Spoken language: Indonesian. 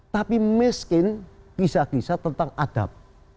tapi miskin kisah kisah tentang adab